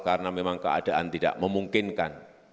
karena memang keadaan tidak memungkinkan